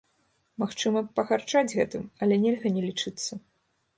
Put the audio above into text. Магчыма пагарджаць гэтым, але нельга не лічыцца.